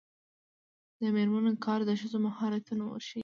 د میرمنو کار د ښځو مهارتونه ورښيي.